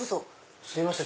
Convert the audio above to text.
すいません